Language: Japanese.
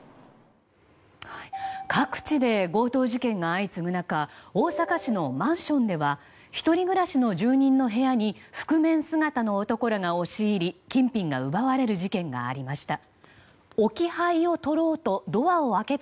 各地で強盗事件が相次ぐ中大阪市のマンションでは１人暮らしの住人の部屋に覆面姿の男らが押し入り金品が奪われる事件がありました。